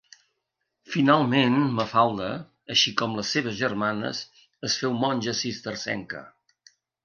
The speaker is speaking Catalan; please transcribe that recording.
Finalment Mafalda, així com les seves germanes, es féu monja cistercenca.